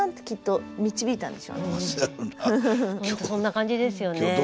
そんな感じですよね。